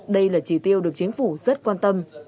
đây là chỉ tiêu được chính phủ rất quan tâm